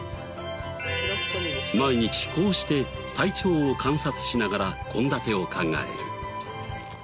毎日こうして体調を観察しながら献立を考える。